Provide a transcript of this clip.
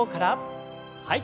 はい。